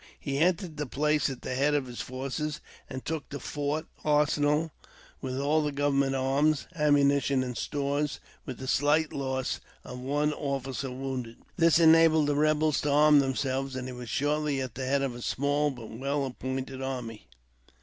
He entered the place at the head of his forces, and took the fort, arsenal, with all the government arms, ammunition, and stores, with the slight loss of one ofi&cer wounded. This enabled the rebels to arm themselves, and he was shortly at the head of a small but well appointed army.